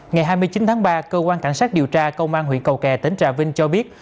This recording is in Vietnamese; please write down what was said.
ngày hai mươi chín tháng ba cơ quan cảnh sát điều tra công an huyện cầu kè tỉnh trà vinh cho biết